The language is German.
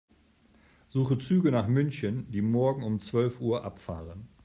Suche Züge nach München, die morgen um zwölf Uhr abfahren.